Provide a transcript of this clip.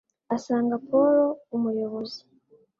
asanga Paul umuyobozi